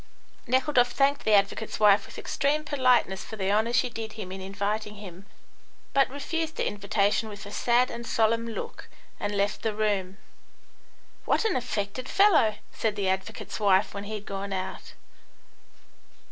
Nekhludoff thanked the advocate's wife with extreme politeness for the honour she did him in inviting him, but refused the invitation with a sad and solemn look, and left the room. "What an affected fellow!" said the advocate's wife, when he had gone out.